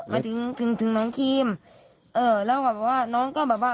มาถึงถึงน้องครีมเออแล้วแบบว่าน้องก็แบบว่า